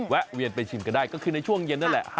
แวนไปชิมกันได้ก็คือในช่วงเย็นนั่นแหละ